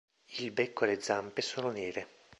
Il becco e le zampe sono nere.